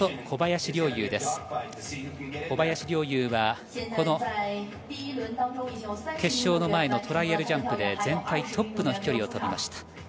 小林陵侑は決勝の前のトライアルジャンプで全体トップの飛距離を飛びました。